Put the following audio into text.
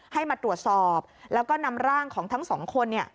ให้มาตรวจสอบแล้วก็นำร่างของทั้งสองคนเนี่ย